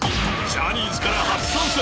ジャニーズから初参戦。